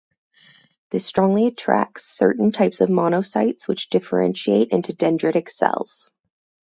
This strongly attracts certain types of monocytes which differentiate into dendritic cells.